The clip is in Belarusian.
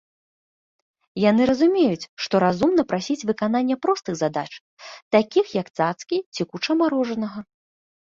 Яны разумеюць, што разумна прасіць выканання простых задач, такіх як цацкі ці куча марожанага.